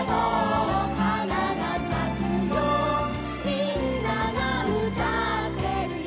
「みんながうたってるよ」